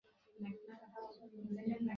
দেখেছো কী বলেছি?